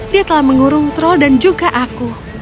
dia telah mengurung troll dan juga aku